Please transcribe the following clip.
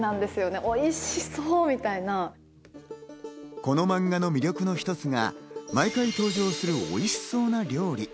この漫画が魅力の一つが毎回登場するおいしそうな料理。